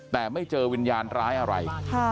แต่ไม่เจอวิญญาณร้ายอะไร